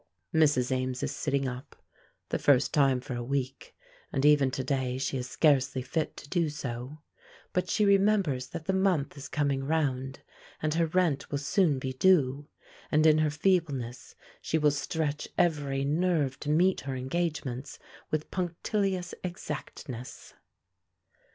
Mrs. Ames is sitting up, the first time for a week, and even to day she is scarcely fit to do so; but she remembers that the month is coming round, and her rent will soon be due; and in her feebleness she will stretch every nerve to meet her engagements with punctilious exactness.